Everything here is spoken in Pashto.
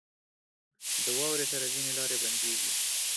• د واورې سره ځینې لارې بندېږي.